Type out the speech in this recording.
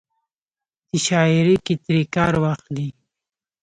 چې شاعرۍ کښې ترې کار واخلي